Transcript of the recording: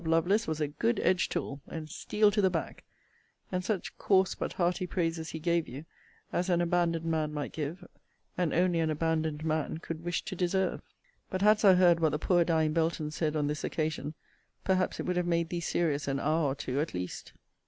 Lovelace was a good edge tool, and steel to the back: and such coarse but hearty praises he gave you, as an abandoned man might give, and only an abandoned man could wish to deserve. But hadst thou heard what the poor dying Belton said on this occasion, perhaps it would have made thee serious an hour or two, at least.